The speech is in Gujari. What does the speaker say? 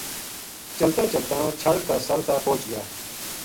چلتاں چلتاں چھَڑ کا سر تا پوہچ گیا